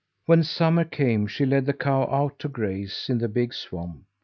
When summer came, she led the cow out to graze in the big swamp.